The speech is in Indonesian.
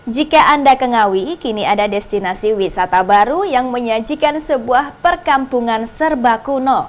jika anda ke ngawi kini ada destinasi wisata baru yang menyajikan sebuah perkampungan serba kuno